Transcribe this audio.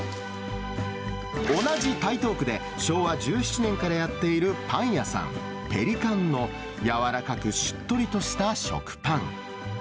同じ台東区で昭和１７年からやっているパン屋さん、ペリカンの柔らかくしっとりとした食パン。